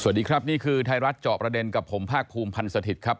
สวัสดีครับนี่คือทธ้ารัฐจอบระเด็นกับผมภาครูมพันธิสถิตรครับ